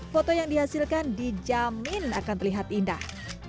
foto yang dihasilkan dijamin akan terlihat indah